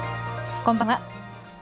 こんばんは。